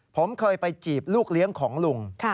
ผมเคยไปจีบลูกเลี้ยงของลุง